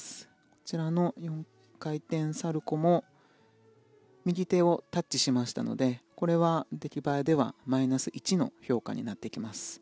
こちらの４回転サルコウも右手をタッチしましたのでこれは出来栄えではマイナス１の評価になってきます。